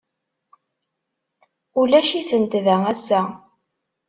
Ulac-iten da ass-a.